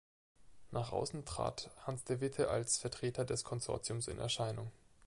Nach außen trat Hans de Witte als Vertreter des Konsortiums in Erscheinung.